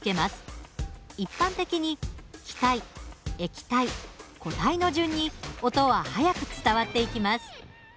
一般的に気体液体固体の順に音は速く伝わっていきます。